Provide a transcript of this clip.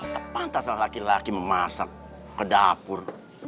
tepat tak salah laki laki memasak ke dapur